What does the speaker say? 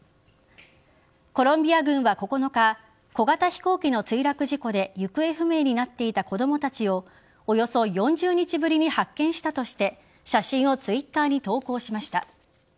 コロンビア軍は９日小型飛行機の墜落事故で行方不明になっていた子供たちをおよそ４０日ぶりに発見したとして写真をＴｗｉｔｔｅｒに投稿しました。